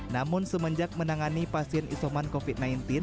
namun semenjak menangani pasien isoman covid sembilan belas